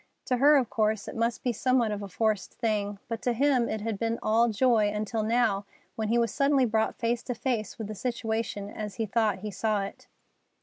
To her, of course, it must be somewhat of a forced thing, but to him it had been all joy until now when he was suddenly brought face to face with the situation as he thought he saw it.